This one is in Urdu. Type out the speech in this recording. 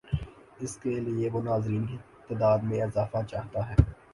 اس کے لیے وہ ناظرین کی تعداد میں اضافہ چاہتا ہے۔